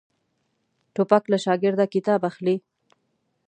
توپک له شاګرده کتاب اخلي.